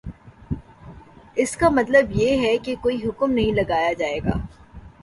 اس کا مطلب یہ ہے کہ کوئی حکم نہیں لگایا جائے گا